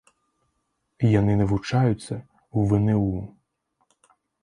Яны навучаюцца ў вну.